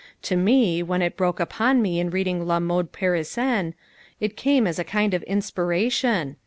To me, when it broke upon me in reading La Mode Parisienne, it came as a kind of inspiration.